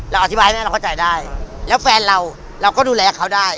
อธิบายให้แม่เราเข้าใจได้แล้วแฟนเราเราก็ดูแลเขาได้